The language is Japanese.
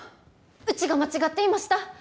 うちが間違っていました。